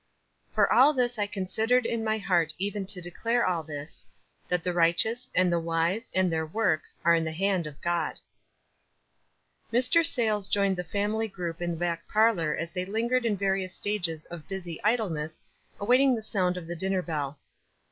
"For all this I considered in my heart even to declare all this, that the righteous, and the wise, and their v. oiks, are in the hand of God," Mr. Sayles joined the family group in the back parlor as they lingered in various stages of busy idleness, awaiting the sound of the din ner bell.